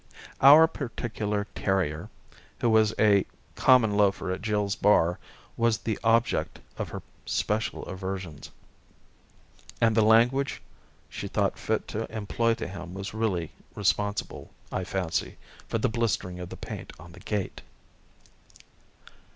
Our particular terrier, who was a common loafer at Jill's bar was the object of her special aversions, and the language she thought fit to employ to him was really responsible, I fancy, for the blister ing of the paint on the gate.